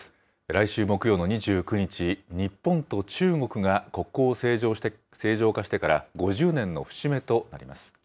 来週木曜の２９日、日本と中国が国交を正常化してから５０年の節目となります。